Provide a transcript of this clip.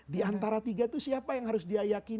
di antara tiga itu siapa yang harus dia yakini